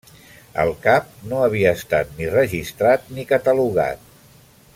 El cap no havia estat ni registrat ni catalogat.